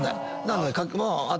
なので。